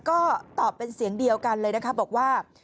ก็ตอบเป็นเสียงเดียวกันเลยนะคะบอกว่า